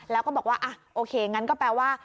แล้วก็บอกว่าโอเคงั้นก็แปลว่า